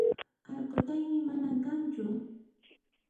Allquchaymi mana kanchu